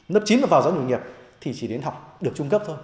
lớp chín và vào giáo dục nghiệp thì chỉ đến học được trung cấp thôi